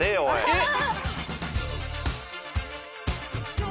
えっ！？